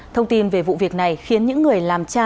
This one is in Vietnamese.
thông tin về vụ việc này khiến những người làm cha